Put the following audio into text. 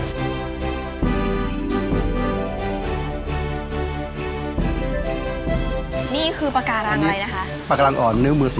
ไปดูกันค่ะว่าหน้าตาของเจ้าปาการังอ่อนนั้นจะเป็นแบบไหน